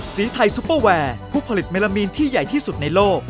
สีไทยซุปเปอร์แวร์ผู้ผลิตเมลามีนที่ใหญ่ที่สุดในโลก